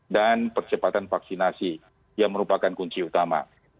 dan percepatan vaksinasi yang merupakan kunci utama